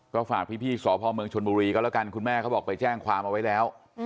ก็ฝากพี่สพเมืองชนบุรีก็แล้วกันคุณแม่เขาบอกไปแจ้งความเอาไว้แล้ว